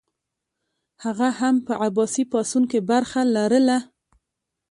هغه هم په عباسي پاڅون کې برخه لرله.